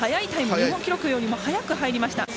日本記録よりも早く入りました。